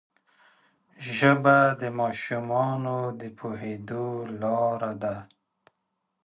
ژبه د ماشومانو د پوهېدو لاره ده